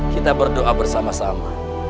kita berdoa bersama sama